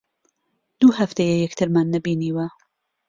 دوو هەفتەیە یەکترمان نەبینیوە.